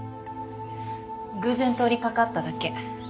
偶然通りかかっただけ。